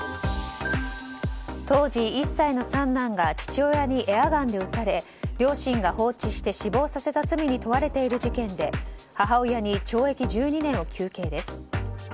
当時１歳の三男が父親にエアガンで撃たれ両親が放置して死亡させた罪に問われている事件で母親に懲役１２年を求刑です。